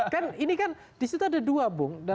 kan ini kan disitu ada dua bung